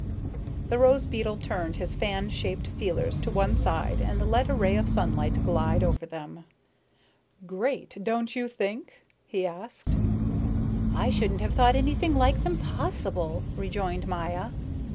The rose beetle turned his fan shaped feelers to one side and let a ray of sunlight glide over them. "Great, don't you think?" he asked. "I shouldn't have thought anything like them possible," rejoined Maya.